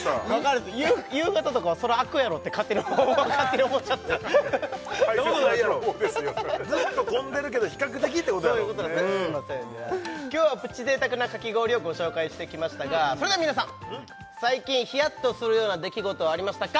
夕方とかはそら空くやろって勝手に思っちゃってそんなことないやろずっと混んでるけど比較的ってことやろそういうことですねすいません今日はプチ贅沢なかき氷をご紹介してきましたがそれでは皆さん最近ヒヤッとするような出来事はありましたか？